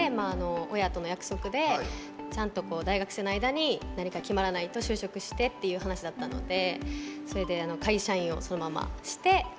親との約束でちゃんと大学生の間に何か決まらないと就職してっていう話だったのでそれで会社員をそのままして。